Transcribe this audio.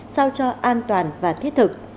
sao cho an toàn và thiết thực